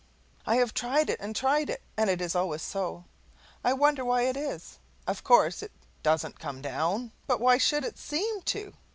I have tried it and tried it, and it is always so. I wonder why it is? Of course it DOESN'T come down, but why should it SEEM to?